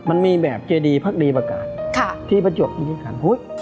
มันมีแบบเจดีพรรคดีประการที่ประจวบอีกที่ไหน